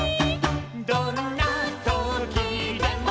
「どんなときでも」